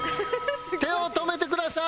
手を止めてください。